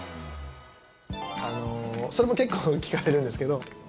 それも結構、聞かれるんですけど